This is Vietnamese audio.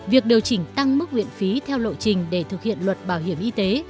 việc điều chỉnh tăng mức viện phí theo lộ trình để thực hiện luật bảo hiểm y tế